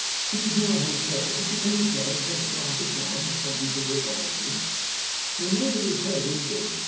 This is my hotel. Won't you come inside and take a glass of wine or something to revive you?" He nodded his head eagerly.